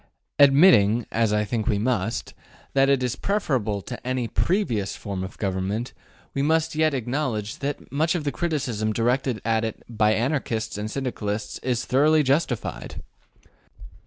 Admitting as I think we must that it is preferable to any PREVIOUS form of Government, we must yet acknowledge that much of the criticism directed against it by Anarchists and Syndicalists is thoroughly justified.